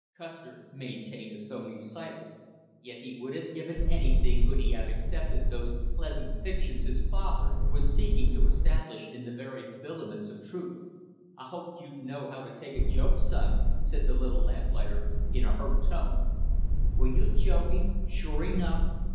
Custer maintained a stony silence, yet he would have given anything could he have accepted those pleasant fictions his father was seeking to establish in the very habiliments of truth. "I hoped you'd know how to take a joke, son!" said the little lamplighter in a hurt tone. "Were you joking, sure enough?"